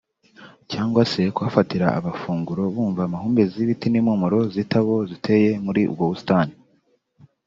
cyangwa se kuhafatira abafunguro bumva amahumbezi y’ibiti n’impumuro z’itabo ziteye muri ubwo busitani